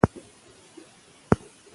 افغانانو په پاني پت کې خپله زړورتیا وښودله.